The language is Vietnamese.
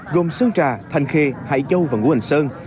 gồm sơn trà thành khê hải châu và nguồn sơn